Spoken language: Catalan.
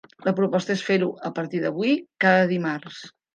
La proposta és fer-ho, a partir d’avui, cada dimarts.